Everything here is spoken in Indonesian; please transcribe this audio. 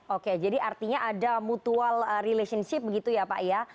oke jadi artinya ada mutual relationship begitu ya pak ya